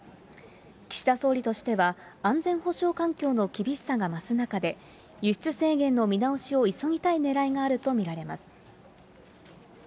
岸田総理としては、安全保障環境の厳しさが増す中で、輸出制限の見直しを急ぎたいねらいがあると見られます。